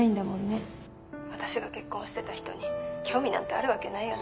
私が結婚してた人に興味なんてあるわけないよね。